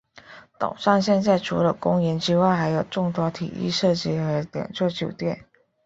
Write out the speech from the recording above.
岛上现在除了公园之外还有众多体育设施和两座酒店。